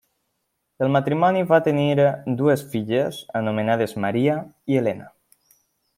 El matrimoni va tenir dues filles anomenades Maria i Helena.